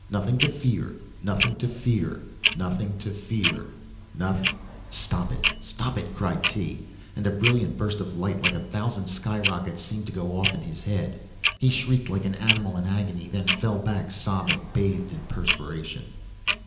Nothing to fear! Nothing to fear! Nothing to fear! Noth " "Stop it! Stop it!" cried Tee, and a brilliant burst of light like a thousand sky rockets seemed to go off in his head. He shrieked like an animal in agony, then fell back sobbing, bathed in perspiration.